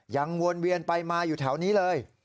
วนเวียนไปมาอยู่แถวนี้เลย